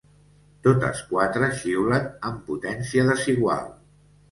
Totes quatre xiulen amb potència desigual.